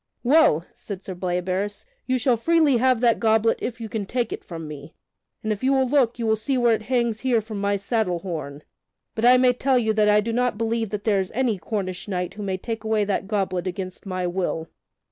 "Well," said Sir Bleoberis, "you shall freely have that goblet if you can take it from me, and if you will look, you will see where it hangs here from my saddle horn. But I may tell you that I do not believe that there is any Cornish knight who may take away that goblet against my will."